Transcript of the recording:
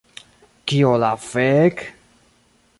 Kio la fek...